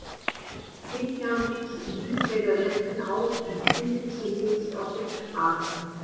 Kirchner wuchs im Bielefelder Westen auf und spielte zunächst auf den Straßen.